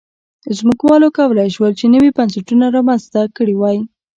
ځمکوالو کولای شول چې نوي بنسټونه رامنځته کړي وای.